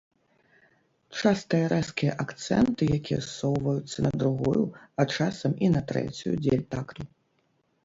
Частыя рэзкія акцэнты, якія ссоўваюцца на другую, а часам і на трэцюю дзель такту.